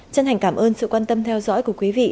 chân thành cảm ơn sự quan tâm theo dõi của quý vị